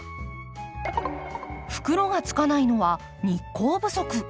袋がつかないのは日光不足。